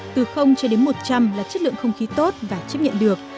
từ cho đến một trăm linh là chất lượng không khí tốt và chấp nhận được